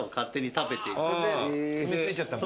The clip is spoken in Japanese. すみ着いちゃったんだ。